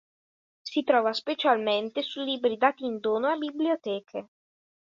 Si trova specialmente su libri dati in dono a biblioteche.